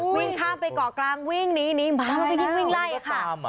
วิ่งข้ามไปเกาะกลางวิ่งหนีหมามันก็ยิ่งวิ่งไล่ค่ะ